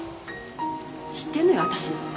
知ってんのよ私